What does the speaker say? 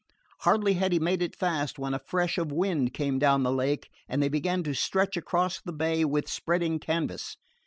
Hardly had he made it fast when a fresh of wind came down the lake and they began to stretch across the bay with spreading canvas.